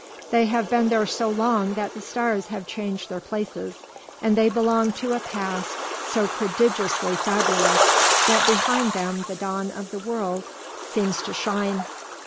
They have been there so long that the stars have changed their places, and they belong to a past so prodigiously fabulous that behind them the dawn of the world seems to shine.